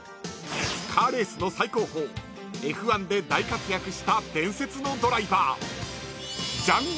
［カーレースの最高峰Ｆ１で大活躍した伝説のドライバー］